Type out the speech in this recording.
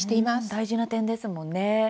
大事な点ですもんね。